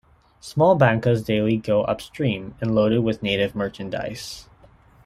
Small bancas daily go upstream and loaded with native merchandise.